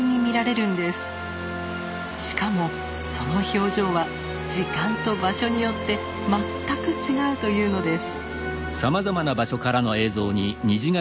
しかもその表情は時間と場所によって全く違うというのです。